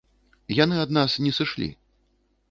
Яны ад нас не сышлі.